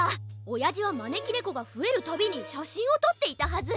おやじはまねきねこがふえるたびにしゃしんをとっていたはず！